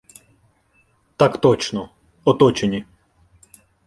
— Так точно — оточені.